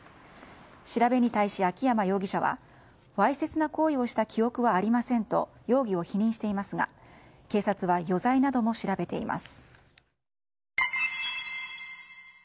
調べに対し、秋山容疑者はわいせつな行為をした記憶はありませんと容疑を否認していますが警察は余罪なども調べています。